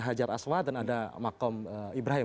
hajar aswa dan ada makom ibrahim